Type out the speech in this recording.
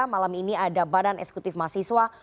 malam ini ada badan eksekutif mahasiswa